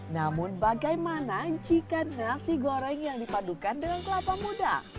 namun bagaimana jika nasi goreng yang dipadukan dengan kelapa muda